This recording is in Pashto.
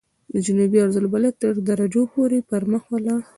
د جنوبي عرض البلد تر درجو پورې پرمخ ولاړ.